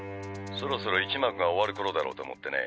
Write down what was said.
「そろそろ一幕が終わるころだろうと思ってね」